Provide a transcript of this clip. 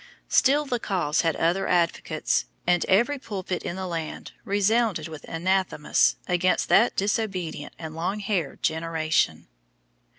Still the cause had other advocates, and every pulpit in the land resounded with anathemas against that disobedient and long haired generation.